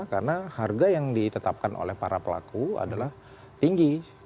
karena harga yang ditetapkan oleh para pelaku adalah tinggi